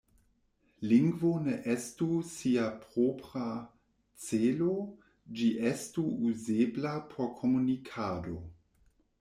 Lingvo ne estu sia propra celo, ĝi estu uzebla por komunikado.